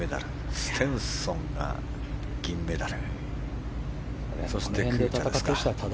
ステンソンが銀メダル。